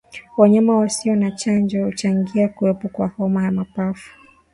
Wanyama wasio na chanjo huchangia kuwepo kwa homa ya mapafu